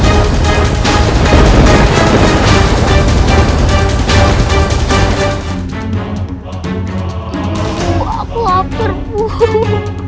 aduh aku lapar bu